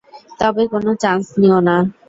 তবে কোনো চান্স নিও না।